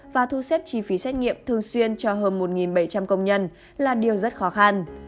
và thu xếp chi phí xét nghiệm thường xuyên cho hơn một bảy trăm linh công nhân là điều rất khó khăn